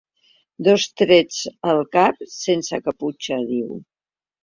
“Dos trets al cap sense caputxa”, diu.